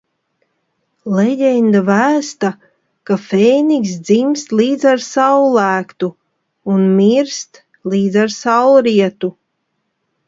Leģenda vēsta, ka fēnikss dzimst līdz ar saullēktu un mirst līdz ar saulrietu.